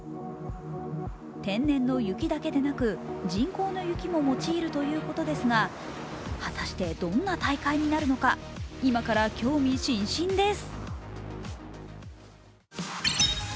天然の雪だけでなく、人工の雪も用いるということですが果たして、どんな大会になるのか、今から興味津々です。